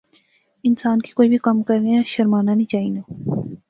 انسان کی کوئی وی کم کرنیا شرمانا نی چاینا